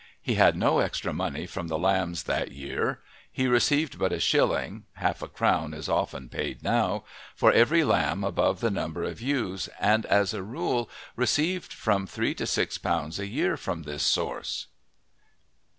He had no extra money from the lambs that year. He received but a shilling (half a crown is often paid now) for every lamb above the number of ewes, and as a rule received from three to six pounds a year from this source.